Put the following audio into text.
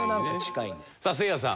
さあせいやさん。